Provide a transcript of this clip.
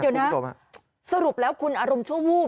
เตรียมต่อมาเดี๋ยวนะเสรียรับแล้วคุณอารมณ์ชั่ววูบ